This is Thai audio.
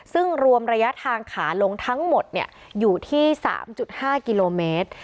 ซึ่งรวมระยะทางขาลงทั้งหมดเนี่ยอยู่ที่สามจุดห้ากิโลเมตร